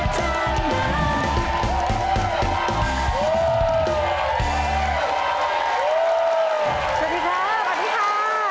เสียดีครับสวัสดีครับ